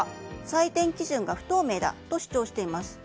採点基準が不透明だと主張しています。